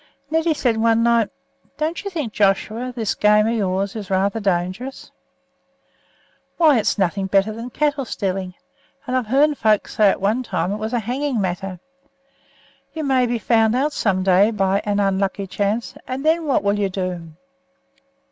Neddy said one night: "Don't you think, Joshua, this game of yours is rather dangerous? Why, it's nothing better than cattle stealing; and I've heern folks say at one time it was a hanging matter. You may be found out some day by an unlucky chance, and then what will you do?"